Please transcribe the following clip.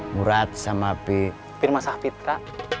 murad sama pirmasah pitra